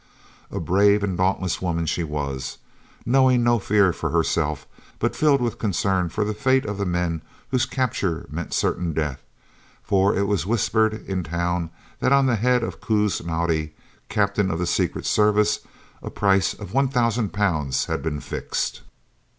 A brave and dauntless woman she was, knowing no fear for herself, but filled with concern for the fate of the men whose capture meant certain death, for it was whispered in town that on the head of Koos Naudé, Captain of the Secret Service, a price of £1,000 had been fixed.